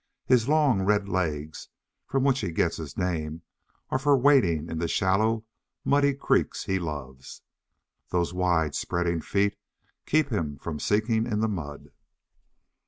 His long, red legs from which he gets his name are for wading in the shallow, muddy creeks he loves. Those wide spreading feet keep him from sinking in the mud.